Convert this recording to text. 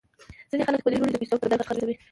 ځینې خلک خپلې لوڼې د پیسو په بدل کې خرڅوي.